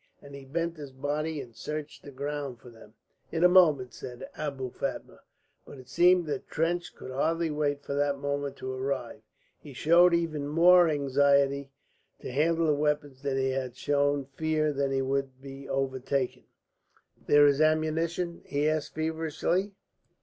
and he bent his body and searched the ground for them. "In a moment," said Abou Fatma, but it seemed that Trench could hardly wait for that moment to arrive. He showed even more anxiety to handle the weapons than he had shown fear that he would be overtaken. "There is ammunition?" he asked feverishly.